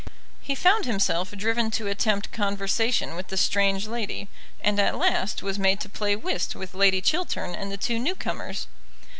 He found himself driven to attempt conversation with the strange lady, and at last was made to play whist with Lady Chiltern and the two new comers.